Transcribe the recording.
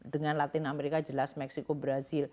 dengan latin amerika jelas meksiko brazil